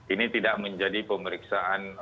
ini tidak menjadi pemeriksaan